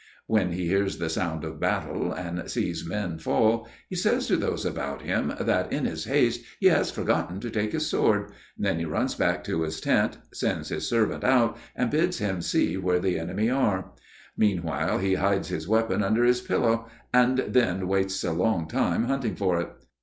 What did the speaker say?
When he hears the sound of battle, and sees men fall, he says to those about him that, in his haste, he has forgotten to take his sword; then he runs back to his tent, sends his servant out and bids him see where the enemy are; meanwhile he hides his weapon under his pillow, and then wastes a long time hunting for it.